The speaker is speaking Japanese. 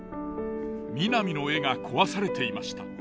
みなみの絵が壊されていました。